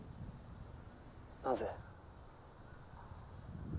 なぜ？